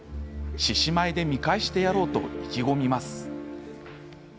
獅子舞で見返してやろうと意気込みます。